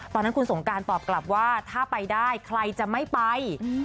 ตอนนั้นคุณสงการตอบกลับว่าถ้าไปได้ใครจะไม่ไป